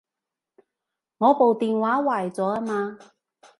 我部電話壞咗吖嘛